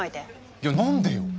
いや何でよ